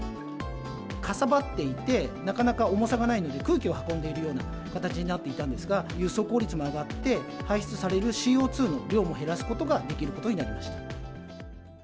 かさばっていて、なかなか重さがないので、空気を運んでいるような形になっていたんですが、輸送効率も上がって、排出されるＣＯ２の量も減らすことができることになりました。